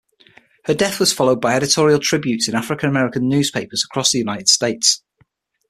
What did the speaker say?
Her death was followed by editorial tributes in African-American newspapers across the United States.